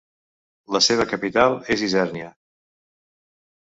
La seva capital és Isernia.